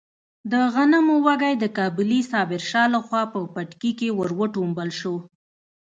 د غنمو وږی د کابلي صابر شاه لخوا په پټکي کې ور وټومبل شو.